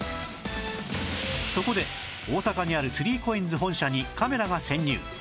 そこで大阪にある ３ＣＯＩＮＳ 本社にカメラが潜入！